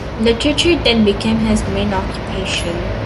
Literature then became his main occupation.